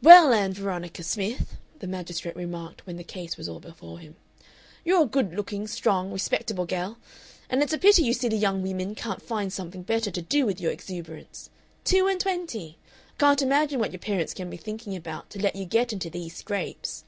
"Well, Ann Veronica Smith," the magistrate remarked when the case was all before him, "you're a good looking, strong, respectable gell, and it's a pity you silly young wimmin can't find something better to do with your exuberance. Two and twenty! I can't imagine what your parents can be thinking about to let you get into these scrapes."